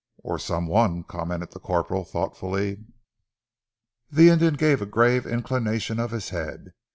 "Or some one!" commented the corporal thoughtfully. The Indian gave a grave inclination of his head.